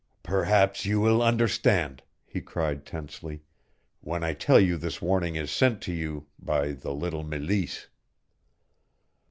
"Perhaps you will understand," he cried tensely, "when I tell you this warning is sent to you by the little Meleese!"